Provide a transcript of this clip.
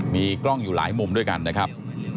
มีกล้องอยู่หลายมุมด้วยกันนะครับ